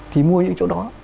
thì mua những chỗ đó